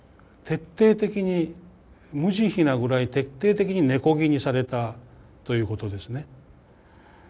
徹底的に無慈悲なぐらい徹底的に根こぎにされたということですね。